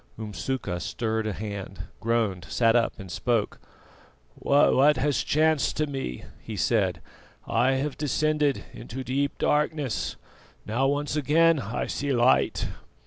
Umsuka stirred a hand, groaned, sat up, and spoke: "What has chanced to me?" he said. "I have descended into deep darkness, now once again I see light."